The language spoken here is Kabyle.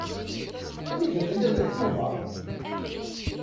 Anida telliḍ deg Tubeṛ?